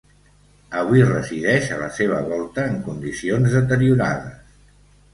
Avui resideix a la seva volta en condicions deteriorades.